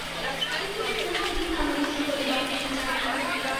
তিনি তো কোনোদিন আমাদের শিকলে বাঁধতে চান নি।